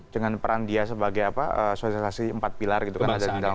dengan peran dia sebagai sosialisasi empat pilar gitu kan